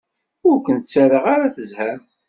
Ur ken-ttaraɣ ara tezham.